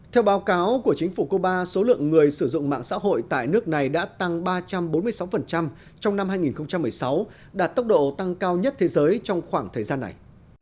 theo báo cáo của chính phủ cuba số lượng người sử dụng mạng xã hội tại nước này đã tăng ba trăm bốn mươi sáu trong năm hai nghìn một mươi sáu đạt tốc độ tăng cao nhất thế giới trong khoảng thời gian này